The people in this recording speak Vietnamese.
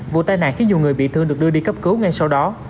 vụ tai nạn khiến nhiều người bị thương được đưa đi cấp cứu ngay sau đó